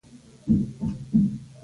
خولۍ د شملې سره ښه ښکاري.